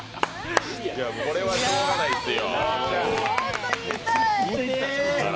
これはしょうがないですよ。